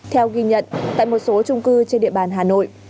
theo ghi nhận tại một số trung cư trên địa bàn hà nội